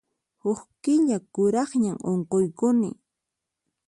Huk killa kuraqñam unquykuni.